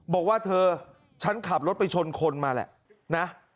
บอกว่าเธอฉันขับรถไปชนคนมาแหละนะ